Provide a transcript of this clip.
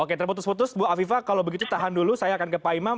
oke terputus putus bu afifah kalau begitu tahan dulu saya akan ke pak imam